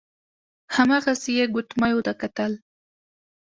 هماغسې يې ګوتميو ته کتل.